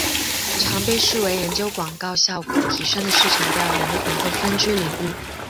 常被视为研究广告效果提升的市场调研的一个分支领域。